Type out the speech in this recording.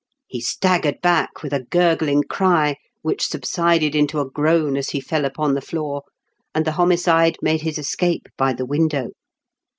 He staggered back with a gurgUng cry, which subsided into a groan as he fell upon the floor, and the homi cide made his escape by the window.